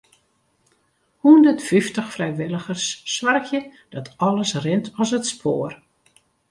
Hûndertfyftich frijwilligers soargje dat alles rint as it spoar.